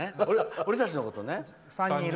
俺たちのことね。